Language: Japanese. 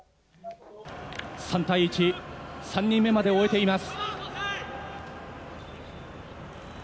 ３対１３人目まで終えています。